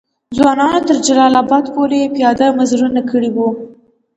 ځوانانو تر جلال آباد پوري پیاده مزلونه کړي وو.